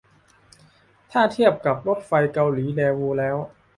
ถ้าเทียบกับรถไฟเกาหลีแดวูแล้ว